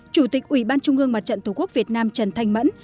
chủ tịch ủy ban trung ương mặt trận tổ quốc việt nam trần thanh mẫn